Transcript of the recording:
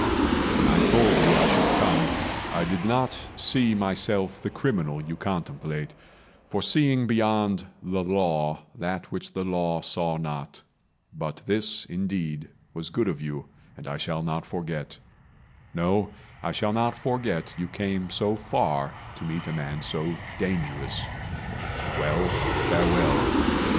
When I told you I should come, I did not see myself the criminal You contemplate, for seeing beyond the Law That which the Law saw not. But this, indeed, Was good of you, and I shall not forget; No, I shall not forget you came so far To meet a man so dangerous. Well, farewell.